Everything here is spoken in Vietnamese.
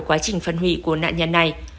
quá trình phân hủy của nạn nhân này